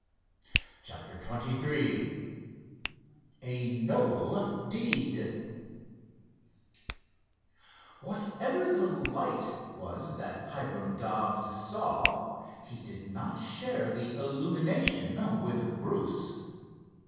CHAPTER XXIII A NOBLE DEED Whatever the "light" was that Hiram Dobbs saw, he did not share the illumination with Bruce.